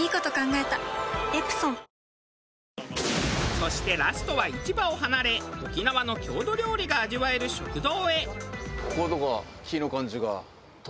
そしてラストは市場を離れ沖縄の郷土料理が味わえる食堂へ。